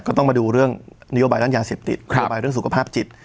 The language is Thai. ก็ต้องมาดูเรื่องนโยบายด้านยาเสพติดนโยบายเรื่องสุขภาพจิต